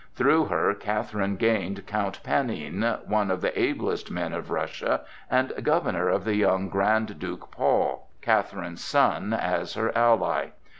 Through her, Catherine gained Count Panin, one of the ablest men of Russia and governor of the young Grand Duke Paul, Catherine's son, as her ally.